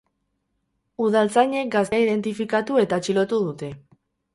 Udaltzainek gaztea identifikatu eta atxilotu dute.